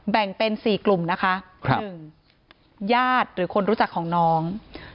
แบ่งเป็น๔กลุ่มนะคะ๑ญาติหรือคนรู้จักของน้อง